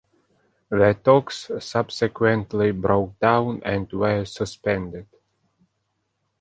The talks subsequently broke down and were suspended.